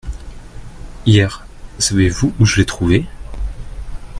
Hier, savez-vous où je l’ai trouvé ?